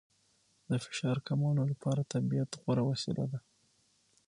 د فشار کمولو لپاره طبیعت غوره وسیله ده.